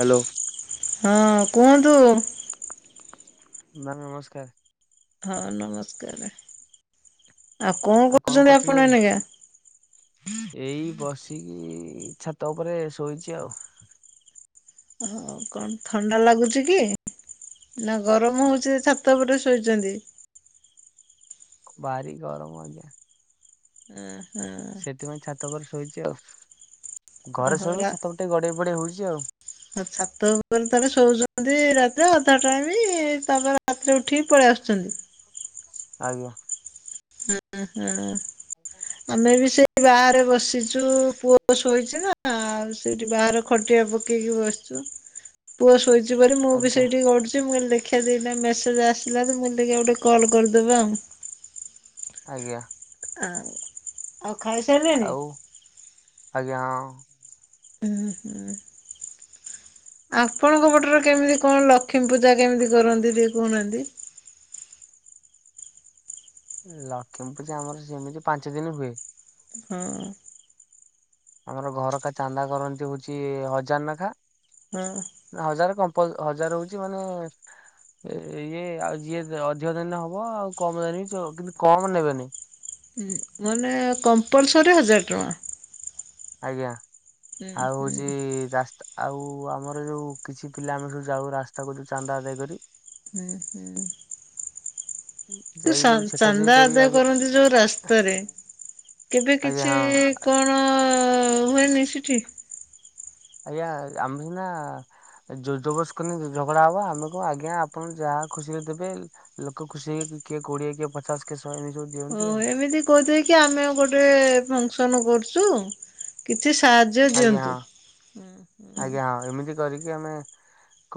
Hello. ହଁ କୁହନ୍ତୁ? Ma'am ନମସ୍କାର। ହଁ ନମସ୍କାର। ଆଉ କଣ କହୁଛନ୍ତି ଆପଣ ଏଇନିକା? [inaudible] ଏଇ ବସିକି ଛାତ ଉପରେ ଶୋଇଛି ଆଉ। ହଁ--କଣ ଥଣ୍ଡା ଲାଗୁଚି କି? ନା ଗରମ ହଉଛି ଯେ, ଛାତ ଉପରେ ଶୋଇଛନ୍ତି? ବାରି ଗରମ ହଉଚି। ହୁଁ ହୁଁ। ସେଥିପାଇଁ ଛାତ ଉପରେ ଶୋଇଚି ଆଉ, ଘରେ ଓହୋ ଶୋଇବି, ଛାତ ଉପରେ ଟିକେ ଗଡେଇ ପଡେଇ ହଉଚି ଆଉ। ହ ସାତ ଉପରେ ତାହାହେଲେ ଶୋଉଛନ୍ତି ରାତିରେ ଅଧା ଟାଇମ୍ ତା ପରେ- ରାତିରେ ଉଠିକି ପଳେଇ ଆସୁଛନ୍ତି। ଆଜ୍ଞା। ହୁଁ ହୁଁ। ଆମେ ବି ସେ-ଇ ବାହାରେ ବସିଛୁ ପୁ-ଅ ଶୋଇଛି ନା- ଆଉ ସେଇଠି ବାହାର- ଖଟିଆ ପକେଇକି ବସିଚୁ। [inaudible] ପୁଅ ଶୋଇଛି ବୋଲି ମୁଁ ବି ଆଜ୍ଞା ସେଇଠି ଗଡୁଚି। ମୁଁ କହିଲି ଦେଖ-୍ ହେଇଟି ଏଇନା ମେସେଜ୍ ଆସିଲା ତ, ମୁଁ କହିନି ଦେଖିଆ ଗୋଟେ କଲ କରିଦେବା ଆଉ। ଆଜ୍ଞା। ଆଁ ଆଉ ଖାଇ ସାଇଲେଣିି? ଆଉ ଆଜ୍ଞା ହଁ। ହୁଁ ହୁଁ। ଆପଣଙ୍କ ପଟରେ କେମିତି କଣ ଲକ୍ଷ୍ମୀ ପୂଜା କେମିତି କରନ୍ତି ଯୋଉ କହୁନାହାନ୍ତି? ଲକ୍ଷ୍ମୀପୂଜା ଆମର ସେମିତି ପାଞ୍ଚ ଦିନ ହୁଏ। ହଁ ଆମର ଘରକା ଚାନ୍ଦା କରନ୍ତି ହଉଛି ହଜାରେ ନାଖା। ହଁ- ହଜାରେ କଂପଲ୍ ହଜାରେ ହଉଛି ମାନେ ଏ ଇଏ ଆଉ ଯିଏ ଅଧିକ ଦିନ ହବ କମିବନି ବି କିନ୍ତୁ କମ୍ ନେବେନି। ମାନେ କମ୍ପଲସରୀ ହଜାର ଟଙ୍କା। ଆଜ୍ଞା, ହୁଁ ଆଉ ହୁଁ ହେଉଚି ରାସ୍ତା- ଆଉ ଆମର ଯୋଉ କିଛି ପିଲା ଆମେ ସବୁ ଯାଉ ରାସ୍ତାକୁ ଯୋଉ ଚାନ୍ଦା ଦେଇକରି ହୁଁ ହୁଁ ତୁ ଯାଇକି ଯୋଉ ଛେକାଛେକି ଚାନ୍ଦା କରି ଆଦାୟ ଆଜ୍ଞା କରନ୍ତି ଯୋଉ ରାସ୍ତାରେ କେବେ ଆଜ୍ଞା କିଛି ହଁ କଣ ହୁଏନି ସେଠି? ଆଜ୍ଞା ଆମ ନା ଯୋଜବସ୍ କରିନ ଝଗଡା ହବ ଆମକୁ ଆଜ୍ଞା ଆପଣ ଯାହା ଖୁସିରେ ଦେବେ। ଲୋକ ଖୁସି ହେଇ କିଏ କୋଡିଏ କିଏ ପଚଶ କିଏ ଶହେ ଏମିତି ସବୁ ଓ ଦିଅନ୍ତି ଆଉ। ଏମିତି କହୁଥି କି ଆମେ ଗୋଟେ ଫଙ୍କସନ୍ କରୁଛୁ କିଛି ସା ଆଜ୍ଞା ହଁ ଆଜ୍ଞା ହଁ ଏମିତି କରିକି ଆମେ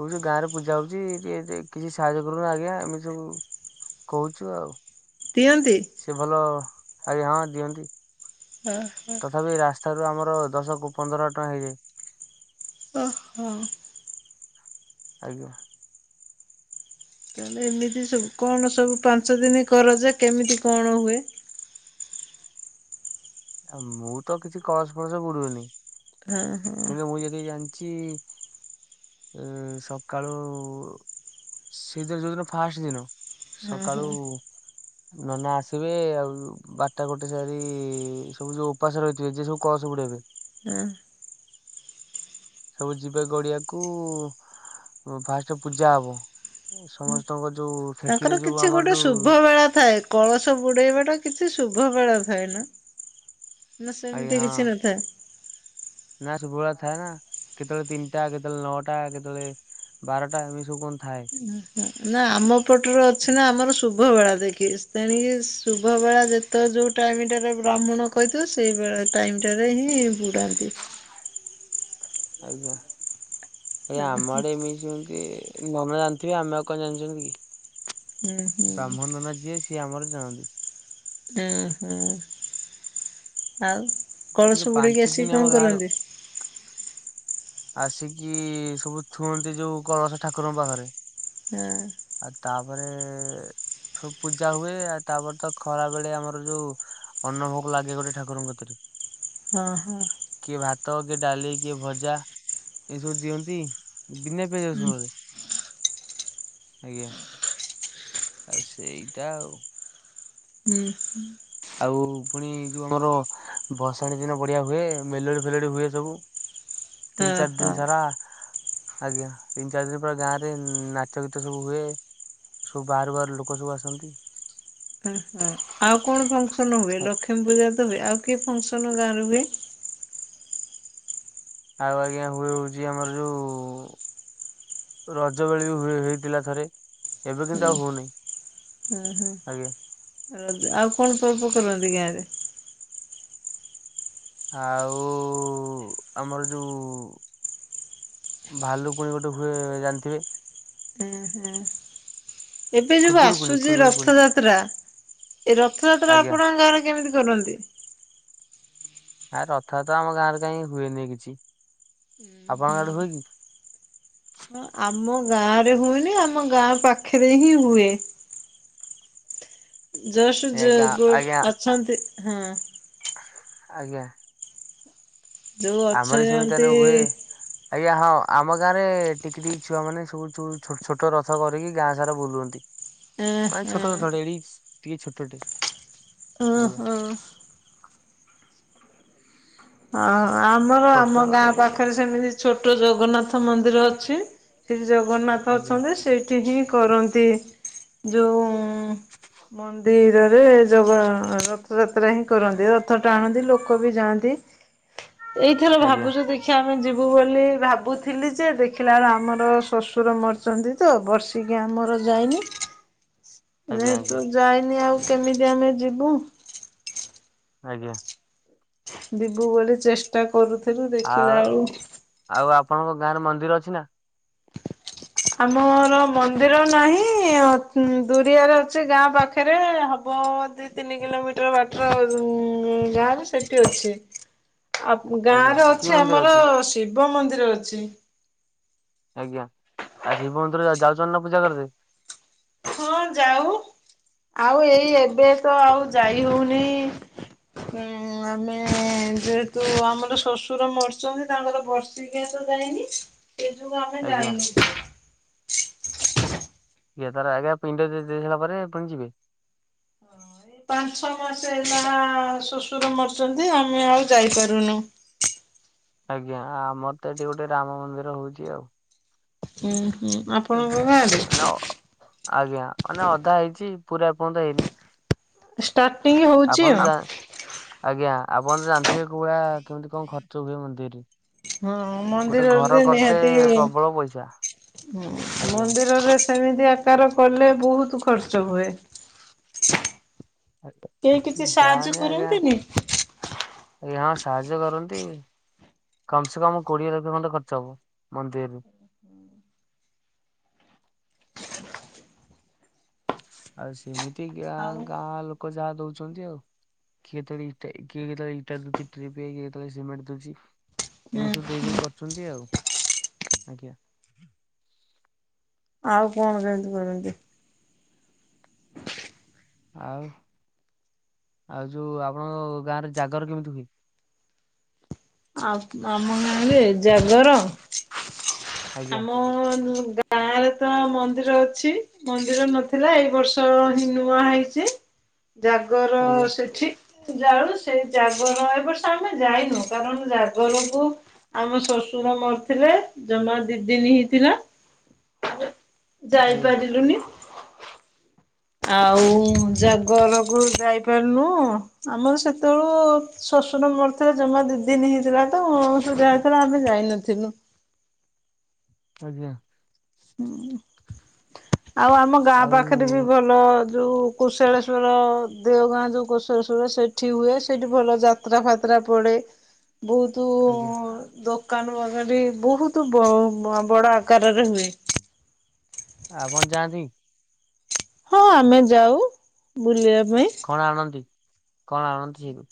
କହୁଛୁ ଗାଁରେ ପୂଜା ହଉଛି ଟେ କିଛି ସାହାଯ୍ୟ କରୁନ ଆଜ୍ଞା ଏମେ ସବୁ କହୁଛୁ ଆଉ। ଦିଅନ୍ତି। ସିଏ ଭଲ ଆଜ୍ଞା ହଁ ଦିଅନ୍ତି। ହଁ ହଁ। ତଥାପି ରାସ୍ତା ରୁ ଆମର ଦଶ କୁ ପନ୍ଦର ଟଙ୍କା ହେଇଯାଏ। ଓହୋ। ଆଜ୍ଞା। ତାହେଲେ ଏମିତି ସବୁ କଣ ସବୁ ପାଞ୍ଚ ଦିନି କର ଯେ କେମିତି କଣ ହୁଏ? ମୁଁ ତ କିଛି କଳସ ଫଳସ ବୁଡୁନି ହଁ ହଁ ହଁ କୁନ୍ତୁ ମୁଁ ଯଦି ଜାଣିଛି ଏ ସକାଳୁ ସେଇଦିନ ଯୋଉଦିନ ଫାଷ୍ଟ ଦିନ। ହଁ ସକାଳୁ ହଁ ନନା ଆସିବେ ଆଉ ବାରଟା ଗୋଟେ ସାରି ସବୁ ଯୋଉ ଉପାସ ରହିଥିବେ ଯେ ସବୁ କଳସ ବୁଡେ ଏବେ। ହଁ। ସବୁ ଯିବେ ଗଡିଆକୁ ଫାଷ୍ଟ ପୂଜା ହବ ସମସ୍ତ ଙ୍କ ଯୋଉ ଫେକିରି ତାଙ୍କର ଯୋଉ କିଛି ଆମର ଗୋଟେ ଯୋଉ ଶୁଭ ବେଳା ଥାଏ କଳସ ବୁଡ଼େଇବାଟା କିଛି ଶୁଭ ବେଳା ଥାଏ ନା। ନା ଆଜ୍ଞା ସେମିତି କିଛି ହଁ ନଥାଏ। ନା ଶୁଭୂଳ ଥାଏ ନା କେତେବେଳେ ତିନିଟା, କେତେବେଳେ ନଅଟା, କେତେବେଳେ ବାରଟା ଏମିଷବୁ କଁ ଥାଏ। ହୁଁ ହୁଁ ନା ଆମ ପଟରେ ଅଛି ନା ଆମର ଶୁଭ ବେଳା ଦେଖି ଖ୍ରୀଷ୍ଟଣୀ ଶୁଭବେଳା ଯେତେ ଯୋଉ ଟାଇମଟାରେ ବ୍ରାହ୍ମଣ କହିଥିବ ସେଇ ବେଳ। ଟାଇମଟାରେ ହିଁ ବୁଡ଼ାନ୍ତି। ଆଜ୍ଞା ହୁଁ ଆମ ଆଡ଼େ ବି ସେମତି ନନା ଜାଣିଥିବେ ଆମେ ଆଉ କଣ ଜାଣିଛନ୍ତି କି? ହୁଁ ବ୍ରାହ୍ମଣ ନନା ଯିଏ ସିଏ ଆମର ଜାଣନ୍ତି। ଆଁ ହୋ ଆଉ କିନ୍ତୁ କଳସ ବୁଡେଇ କି ପାଞ୍ଚ ଦିନ ଆସିକି ଆମ କଁ ଗାଁରେ କରନ୍ତି? ଆସିକି ସବୁ ଥୁଅନ୍ତି ଯୋଉ କଳସ ଠାକୁରଙ୍କ ପାଖରେ। ହଁ। ଆଉ ତାପରେ ସୁ ପୂଜା ହୁଏ ଆଉ ତାପରେ ତ ଖରା ବେଳେ ଆମର ଯୋଉ ଅର୍ଣ୍ଣ ଭୋକ ଲାଗେ ଗୋଟେ ଠାକୁରଙ୍କତିରେ। ହଁ ହଁ। କିଏ ଭାତ, କିଏ ଡାଲି, କିଏ ଭଜା। ଏସବୁ ଦିଅନ୍ତି ବିନା ପେଆଜଶୁଣରେ ଆଜ୍ଞା। ଆଉ ସେଇଟା ଆଉ। ହୁଁ। ଆଉ ପୁଣି ଯୋଉ ଆମର ଭସାଣି ଦିନ ବଢିଆ ହୁଏ ମେଲୋଡି ଫେଲୋଡି ହୁଏ ସବୁ। ତିନି ଚାରି ଓହୋ। ଦିନ ସାରା। ଆଜ୍ଞା ତିନି ଚାରି ଦିନ ପରେ ଗାଁରେ ନାଚ ଗୀତ ସବୁ ହୁଏ। ସବୁ ବାହରୁ ବାହାରୁ ଲୋକ ସବୁ ଆସନ୍ତି। ହ ହ ଆଉ କଣ ଫଙ୍କସନ ହୁଏ ଲକ୍ଷ୍ମୀ ପୂଜା ତ ହୁଏ ଆଉ କିଏ ଫଙ୍କସନ ଗାଁରେ ହୁଏ? ଆଉ ଆଜ୍ଞା ହୁଏ ହଉଚି ଆମର ଯୋଉ ରଜ ବେଳି ବି ହେଇଥିଲା ଥରେ ଏବେ କିନ୍ତୁ ହୁଁ ଆଉ ହଉନି। ହୁଁ ହୁଁ ଆଜ୍ଞା ରଜ ଆଉ କଣ ପର୍ବ କରନ୍ତି ଗାଁରେ? ଆଉ ଆମର ଯୋଉ ଭାଲୁକୁଣି ଗୋଟେ ହୁଏ ଜାଣିଥିବେ। ହୁଁ ହୁଁ। ଏବେ ଯୋଉ ଖୁଦୁରୁକୁୁଣି ଆସୁଚି ଖୁଦୁରୁକୁୁଣି ରଥଯାତ୍ରା ଏ ରଥଯାତ୍ରା ଆଜ୍ଞା। ଆପଣଙ୍କ ଗାଁରେ କେମିତି କରନ୍ତି। ଆ ରଥାଯାତ୍ରା ଆମ ଗାଁ ରେ କାଇଁ ହୁଏନି କିଛି ଆପଣଙ୍କ ଆଡେ ହୁଏ କି। ହ ଆମ ଗାଁ ରେ ହୁଏନି ଆମ ଗାଁ ପାଖରେ ହିଁ ହୁଏ। ଜୋସ ଏ ଜୋ ଗାଁ ଗୋ ଆଜ୍ଞା ଅଛନ୍ତି ହଁ ଆଜ୍ଞା। ଯୋଉ ଆମର ବି ସେମିତି ଅଛନ୍ତି ତାହେଲେ ହୁଏ। ଆଜ୍ଞା ହଁ ଆମ ଗାଁ ରେ ଟିକି ଟିକି ଛୁଆ ମାନେ ସବୁ ଯୋଉ ଛୋଟ ଛୋଟ ରଥ କରିକି ଗାଁ ସାରା ବୁଲନ୍ତି। ଏଁ ମାନେ ଛୋଟ ଛୋଟ ଭଳିଆ ଏଡିକି ଟିକେ ଛୋଟ ଟେ। ଓ ହୋ। [inaudible] ହଁ ଆମର ଛୋଟ ଆମ ଛୁଆ ଗୋଟେ ଗାଁ ପାଖରେ ସେମିତି ଛୋଟ ଜଗନ୍ନାଥ ମନ୍ଦିର ଅଛି। ଶ୍ରୀ ଜଗନ୍ନାଥ ଆଜ୍ଞା। ଅଛନ୍ତି ସେଇଠି ହିଁ କରନ୍ତି ଯଉଁ ମନ୍ଦିରରେ ଜଗା ର ଥ ଯାତ୍ରା ହିଁ କରନ୍ତି ରଥ ଟାଣନ୍ତି ଲୋକ ବି ଯାଆନ୍ତି ଏଇଥର ଆଜ୍ଞା ଭାବୁଚୁ ଦେ ଦେଖିଆ ଆମେ ଯିବୁ ବୋଲି ଭାବୁଥିଲି ଯେ ଦେଖିଲା ବେଳେ ଆମର ଶ୍ୱଶୁର ମରିଚନ୍ତି। ତ ବର୍ଷିକିଆ ଆମର ଯାଇନି ଆଜ୍ଞା ଯେହେତୁ ଆଜ୍ଞା ଯାଇନି ଆଉ କେମିତି ଆମେ ଯିବୁ। ଆଜ୍ଞା। ଯିବୁ ବୋଲି ଚେଷ୍ଟା କରୁଥିଲୁ ଦେଖିଲା ଆଉ ବେଳୁ ଆଉ ଆପଣଙ୍କ ଗାଁ ରେ ମନ୍ଦିର ଅଛି ନା। ଆମର ମନ୍ଦିର ନାହିଁ ଅ ଦୁରିଆରେ ଅଛି ଗାଁ ପାଖରେ ହବ ଦି ତିନି କିଲୋମିଟର ବାଟ ଉଁ ଗାଁରେ ସେଇଠି ଅଛି ଆ ଆଜ୍ଞା ଗାଁରେ କି ଅଛି ମନ୍ଦିର ଆମର ଅଛି ଶିବ ମନ୍ଦିର ଅଛି। ଆଜ୍ଞା ଆଉ ଶିବ ମନ୍ଦିର ଯାଉଛନ୍ତି ନା ପୂଜା କରିବେ। ହଁ ଯାଉ ଆଉ ଏଇ ଏବେ ତ ଆଉ ଯାଇ ହଉନି। ଉଁ ଆମେ ଯେହେତୁ ଆମର ଶ୍ୱଶୁର ମରିଚନ୍ତି ତାଙ୍କର ବର୍ଷେ କ୍ରିୟା ତ ଯାଇନି ସେ ଯୋଗୁ ଆମେ ଆଜ୍ଞା ଯାଇନୁ। ଆଜ୍ଞା ତାର ଆଜ୍ଞା ପିଣ୍ଡ ଦେଇ ଦେଇସାରିଲା ପରେ ପୁଣି ଯିବେ। ହଁ ଏ ପାଞ୍ଚ ଛଅ ମାସେ ହେଲା ଶ୍ୱଶୁର ମରିଚନ୍ତି ଆମେ ଆଉ ଯାଇପାରୁନୁ। ଆଜ୍ଞା ଆମର ତ ଏଠି ଗୋଟେ ରାମ ମନ୍ଦିର ହଉଚି ଆଉ। ହୁଁ ହୁଁ ଆପଣଙ୍କ ଗାଁରେ ନା ଆଜ୍ଞା ମାନେ ଅଧା ହେଇଚି ପୁରା ଏପର୍ଯ୍ୟନ୍ତ ହେଇନି। ଷ୍ଟାର୍ଟିଂ ହଉଚି ଆପଣ ଆଉ ଯା ଆଜ୍ଞା ଆପଣ ଜାଣିଥିବେ କୋଉ ଭଳିଆ କେମତି କଣ ଖର୍ଚ୍ଚ ହୁଏ ମନ୍ଦିରରେ। ହଁ ଗୋଟେ ମନ୍ଦିରରେ ଘର ତ କରତେ ନିହାତି ପ୍ରବଳ ପଇସା ମଁ ଆଜ୍ଞା ମନ୍ଦିରରେ ସେମିତି ଆକାର କଲେ ବହୁତ ଖର୍ଚ୍ଚ ହୁଏ। କେହି କିଛି ସାହାଯ୍ୟ ଯାହାନେ ଆଜ୍ଞା କରନ୍ତିନି। ଆଜ୍ଞା ହଁ ସାହାଯ୍ୟ କରନ୍ତି। କମ ସେ କମ କୋଡିଏ ଲକ୍ଷ ଖଣ୍ଡେ ଖର୍ଚ୍ଚ ହବ ମନ୍ଦିରରେ। ଆଉ ସେମିତି ଗାଁ ଆଉ ଗାଁ ଲୋକ ଯାହା ଦଉଛନ୍ତି ଆଉ। କିଏ କେତେଳେ ଇଟା କିଏ କେତବେଳେ ଇଟା ଦଉଚି ଟ୍ରିପିଏ କିଏ କେତେବେଳେ ସିମେଣ୍ଟ ଦଉଚି। ଏମିତି ହୁଁ ସବୁ ଦେଇ ଦେଇ କରୁଛନ୍ତି ଆଉ ଆଜ୍ଞା। ଆଉ କଣ କେମିତି କରିନ୍ତି। ଆଉ। ଆଉ ଯୋଉ ଆପଣଙ୍କ ଗାଁ ରେ ଜାଗର କେମିତି ହୁଏ? ଆ ଆମ ଗାଁରେ ଜାଗର ଆଜ୍ଞା ଆମ ଗାଁ ରେ ତ ମନ୍ଦିର ଅଛି ମନ୍ଦିର ନଥିଲା ଏଇ ବର୍ଷ ହିଁ ନୂଆ ହେଇଛି [inaudible] ଜାଗର ଆଜ୍ଞା ସେଠି ଜାଳୁ ସେ ଜାଗର ଏ ବର୍ଷ ଆମେ ଯାଇନୁ କାରଣ ଜାଗରକୁ ଆମ ଶ୍ୱଶୁର ମରିଥିଲେ ଜମା ଦି ଦିନ ହେଇଥିଲା [inaudible] ଆଜ୍ଞା ଯାଇପାରିଲୁନି ଆଉ ଜାଗରକୁ ଯାଇ ପାରିନୁ ଆମର ସେତେବେଳକୁ ଶ୍ୱଶୁର ମରିଥିଲା ଜମା ଦି ଦିନ ହେଇଥିଲା ତ ଯାହା ସେତେବେଳେ ଆମେ ଯାଇନଥିଲୁ ଆଜ୍ଞା ହୁଁ ଆଉ ଆମ ଗାଁ ଆଉ ପାଖରେ ବି ଭଲ ଭଲ ଯେଉଁ କୁଶଳେଶ୍ୱର ଦେଓଗାଁ ଯେଉଁ କୁଶଳେଶ୍ୱର ସେଠି ହୁଏ ସେଇଠି ଭଲ ଯାତ୍ରା ଯାତ୍ରା ଫାତ୍ରା ପଡ଼େ [inaudible] ବହୁତୁ ଦ ଆଜ୍ଞା ଦୋକାନୁ ଆଗାଡି ବହୁତ ବଡ ଆକାରରେ ହୁଏ ଆପଣ ଯାଆନ୍ତି ହଁ ଆମେ ଯାଉ ବୁଲିବା ପାଇଁ କଣ ଆଣନ୍ତି କଣ ଆଣନ୍ତି ସେଇଠୁ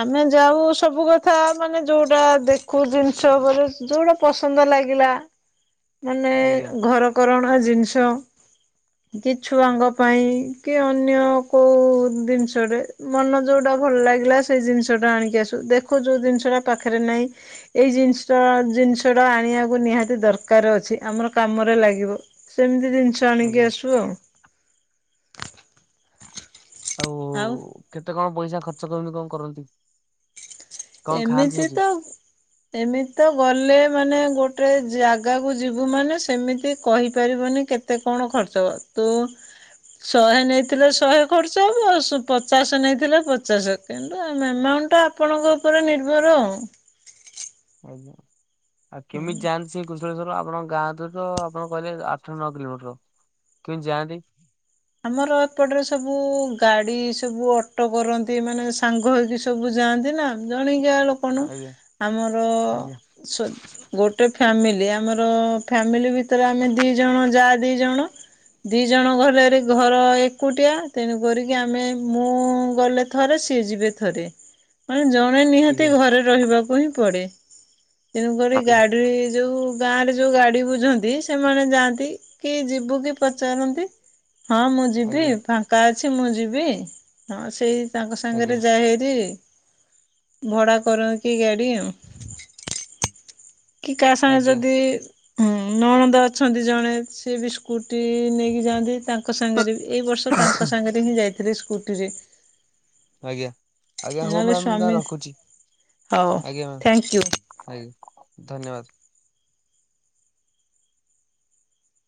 ଆମେ ଯାଉ ସବୁ କଥା ମାନେ ଯଉଟା ଦେଖୁ ଜିନିଷ ଉପରେ ଯୋଉଟା ପସନ୍ଦ ଲାଗିଲା ମାନେ ଆଜ୍ଞା ଘରକରଣା ଜିନିଷ କି ଛୁଆଙ୍କ ପାଇଁ କି ଅନ୍ୟ କେଉଁ ଜିନିଷଟେ ମନ ଯେଉଁଟା ଭଲ ଲାଗିଲା ସେଇ ଜିନିଷଟା ଆଣିକି ଆସୁ ଦେଖୁ ଯେଉଁ ଜିନିଷଟା ପାଖରେ ନାହିଁ ଏଇ ଜିନିଷ ଜିନିଷଟା ଆଣିବାକୁ ନିହାତି ଦରକାର କାର ଅଛି ଆମର କାମରେ ଲାଗିବ ସେମିତି ଜିନିଷ ଆଣିକି ଆଜ୍ଞା ଆଶୁ ଆଉ ହଉ ଆଉ କେତେ କଣ ପଇସା ଖର୍ଚ୍ଚ କରନ୍ତି କଣ କରନ୍ତି? କଣ ଖାଆନ୍ତି ଏମିତି ସେଠି? ତ ଏମିତି ତ ଗଲେ ମାନେ ଗୋଟେ ଜାଗାକୁ ଯିବୁ ମାନେ ସେମିତି କହିପାରିବୁନି କେତେ ଏତେ କଣ ଖର୍ଚ୍ଚ ତୁ ଶହେ ନେଇଥିଲେ ଶହେ ଖର୍ଚ୍ଚ ହେବ ପଚାଶ ନେଇଥିଲେ ପଚାଶ କିନ୍ତୁ ଆମ ଆମାଉଣ୍ଟ ଟା ଆପଣଙ୍କ ଉପରେ ନିର୍ଭର ଆଉ ଆଜ୍ଞା ଆଉ କେମିତି ଜାଆନ୍ତି? ସେଇ କୃଶଳେଶ୍ଵର ଆପଣଙ୍କ ଗାଁ ରେ ତ ଆପଣ କହିଲେ ଆଠ ନଅ କିଲୋମିଟର କେମିତି ଯାଆନ୍ତି? ଆମର ଏପଟେ ସବୁ ଗାଡି ସବୁ ଅଟୋ କରନ୍ତି ମାନେ ସାଙ୍ଗ ହେଇକି ସବୁ ଯାଆନ୍ତି ନା ଜଣିକିଆ ଲୋକ ନ ଆଜ୍ଞା ଆମର ଆଜ୍ଞା ଗୋଟେ ଫ୍ୟାମିଲି ଆମର ଫ୍ୟାମିଲି ଭିତରେ ଆମେ ଦି ଜଣ ଯା ଦି ଜଣ ଦି ଜଣ ଘରରେ ଘର ଏକୁଟିଆ ତେଣୁ କରିକି ଆମେ ମୁଁ ଗଲେ ଥରେ ସିଏ ଯିବେ ଥରେ ମାନେ ଜଣେ ନିହାତି ଆଜ୍ଞା ଘରେ ରହିବାକୁ ହିଁ ପଡେ ତେଣୁକରି ଆଜ୍ଞା ଗାଡି ଯୋଉ ଗାଁ ରେ ଯୋଉ ଗାଡି ବୁଝନ୍ତି ସେମାନେ ଯାଆନ୍ତି କି ଯିବୁ କି ପଚାରନ୍ତି ହଁ ମୁଁ ଯିବି ଆଜ୍ଞା ଫାଙ୍କା ଅଛି ମୁଁ ଯିବି ହଁ ସେଇ ତାଙ୍କ ଆଜ୍ଞା ସାଙ୍ଗରେ ଯା ହେରି ଭଡ଼ା କରକି ଗାଡ଼ି ଆଉ କି କା ସାଙ୍ଗେ ଆଜ୍ଞା ଯଦି। ହଁ ନଣନ୍ଦ ଅଛନ୍ତି ଜଣେ ସିଏ ବି ସ୍କୁଟି ନେଇକି ଯାଆନ୍ତି ତାଙ୍କ ସାଙ୍ଗରେ ବି ଏଇ ବର୍ଷ ତାଙ୍କ ସାଙ୍ଗରେ ହିଁ ଯାଇଥିଲି ସ୍କୁଟିରେ। ଆଜ୍ଞା ଆଜ୍ଞା ହଉ ନହେଲେ ମ୍ୟାମ୍ ମୁଁ ସ୍ଵାମୀ ତାହେଲେ ରଖୁଛି, ହଉ ଆଜ୍ଞା ମ୍ୟାମ୍। Thank you. ଆଜ୍ଞା ଧନ୍ୟବାଦ।